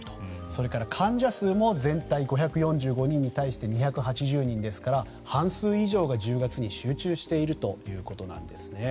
それから患者数も全体５４５人に対して１８０人ですから半数以上が１０月に集中しているということなんですね。